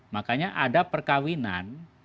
makanya ada perkawinan